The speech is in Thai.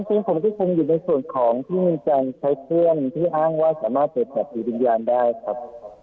จริงผมก็คงอยู่ในส่วนของพี่มิงจันทร์ใช้เครื่องที่อ้างว่าสามารถเจ็บจับดินยาได้ครับ